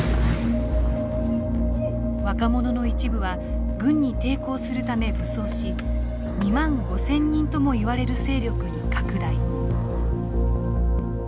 若者の一部は軍に抵抗するため武装し２万５，０００人ともいわれる勢力に拡大。